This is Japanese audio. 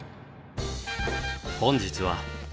本日は。